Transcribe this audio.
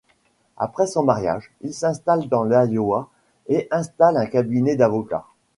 Après son mariage, il s'installe dans l'Iowa et installe un cabinet d'avocat.